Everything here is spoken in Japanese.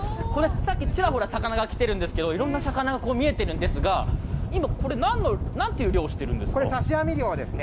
さっき、ちらほら魚が来てるんですけれども、いろんな魚が見えてるんですが、今、これ、なんていこれ、刺し網漁ですね。